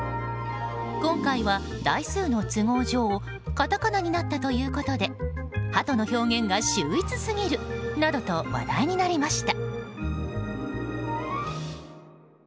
今回は台数の都合上カタカナになったということでハトの表現が秀逸すぎるなどと話題になりました。